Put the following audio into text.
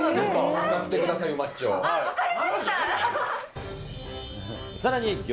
使ってください、マッチョ。